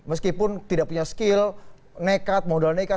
meskipun tidak punya skill nekat modal nekat